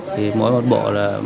thì mỗi một bộ